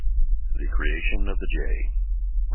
The creation of the J.